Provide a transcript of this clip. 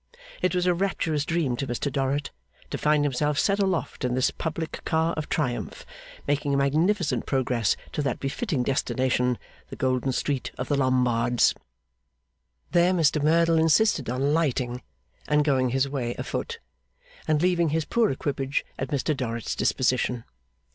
It was a rapturous dream to Mr Dorrit to find himself set aloft in this public car of triumph, making a magnificent progress to that befitting destination, the golden Street of the Lombards. There Mr Merdle insisted on alighting and going his way a foot, and leaving his poor equipage at Mr Dorrit's disposition.